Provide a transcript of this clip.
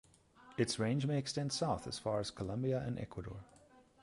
Its range may extend south as far as Colombia and Ecuador.